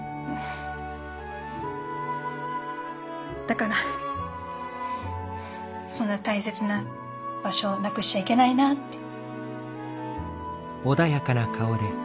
だからそんな大切な場所をなくしちゃいけないなって。